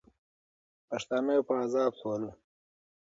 پښتانه په عذاب سول.